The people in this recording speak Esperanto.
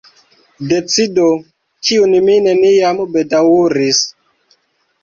Decido, kiun mi neniam bedaŭris.